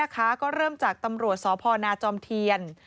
ก็เริ่มจากตำรวจสพนาจอมเทียน